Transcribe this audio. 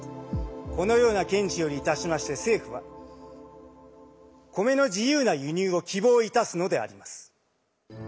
このような見地よりいたしまして政府は米の自由な輸入を希望いたすのであります。